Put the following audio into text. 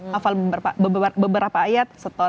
hafal beberapa ayat setor